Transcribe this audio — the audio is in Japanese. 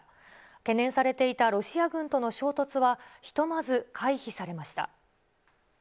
懸念されていたロシア軍との衝突は、ひとまず回避されました。